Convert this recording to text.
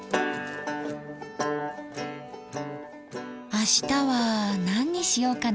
明日は何にしようかな？